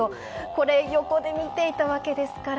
これを横で見ていたわけですから。